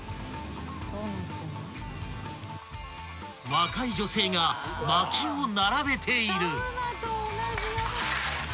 ［若い女性がまきを並べている］